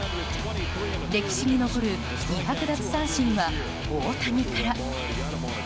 歴史に残る２００奪三振は大谷から。